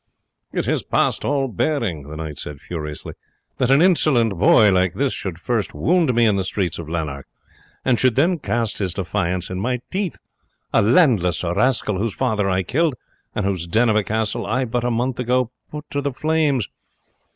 "It is past all bearing," the knight said furiously, "that an insolent boy like this should first wound me in the streets of Lanark, and should then cast his defiance in my teeth a landless rascal, whose father I killed, and whose den of a castle I but a month ago gave to the flames.